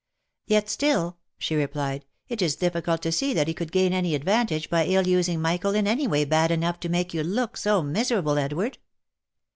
" Yet still," she replied, " it is difficult to see that he could gain any advantage by ill using Michael in any way bad enough to make you look so miserable, Edward."